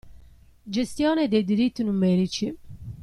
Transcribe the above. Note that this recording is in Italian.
Gestione dei diritti numerici.